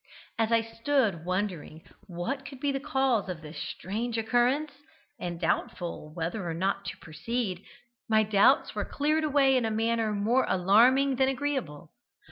As I stood wondering what could be the cause of this strange occurrence, and doubtful whether or not to proceed, my doubts were cleared away in a manner more alarming than agreeable.